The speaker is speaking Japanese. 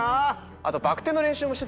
あとバク転の練習もしてたよな。